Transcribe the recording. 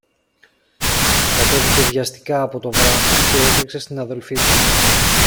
Κατέβηκε βιαστικά από το βράχο κι έτρεξε στην αδελφή του.